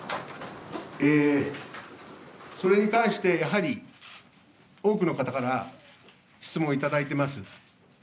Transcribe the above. それに関してやはり、多くの方から質問を頂いています。